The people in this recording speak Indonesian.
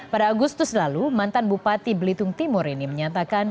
pada agustus lalu mantan bupati belitung timur ini menyatakan